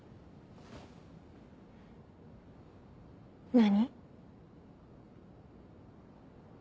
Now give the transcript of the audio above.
何？